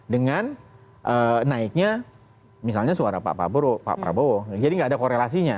dengan naiknya misalnya suara pak prabowo jadi nggak ada korelasinya